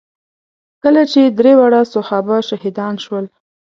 کله چې درې واړه صحابه شهیدان شول.